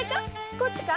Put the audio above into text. こっちか？